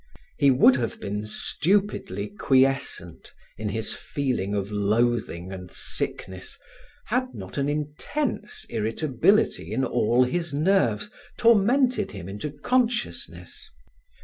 He would have been stupidly quiescent in his feeling of loathing and sickness had not an intense irritability in all his nerves tormented him into consciousness.